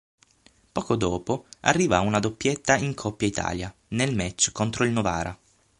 Poco dopo arriva una doppietta in Coppa Italia, nel match contro il Novara.